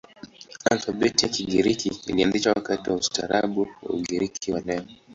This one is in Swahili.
Alfabeti ya Kigiriki ilianzishwa wakati wa ustaarabu wa Ugiriki wa leo.